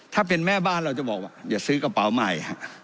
ถ้าเป็นแม่บ้านเราจะบอกว่าอย่าซื้อกระเป๋าใหม่